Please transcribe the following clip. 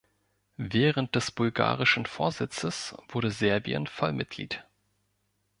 Während des bulgarischen Vorsitzes wurde Serbien Vollmitglied.